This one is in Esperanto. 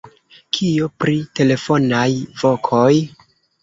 Kio pri telefonaj vokoj?